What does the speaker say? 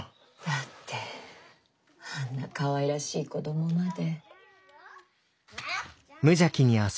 だってあんなかわいらしい子どもまで。